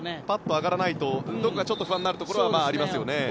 ぱっと上がらないとちょっと不安になるところはありますよね。